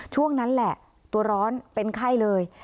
ช่วงนั้นแหละตัวร้อนเป็นไข้เลย